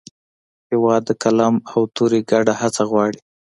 هېواد د قلم او تورې ګډه هڅه غواړي.